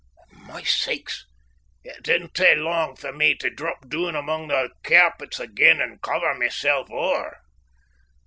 Mysakes! it didna tak lang for me tae drap doon amang the cairpets again and cover mysel' ower.